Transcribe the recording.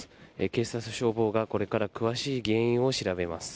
警察と消防がこれから詳しい原因を調べます。